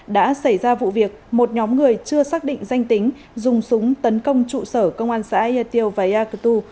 đã xảy ra vụ việc một nhóm người chưa xác định danh tính dùng súng tấn công trụ sở công an xã yatio veyakutu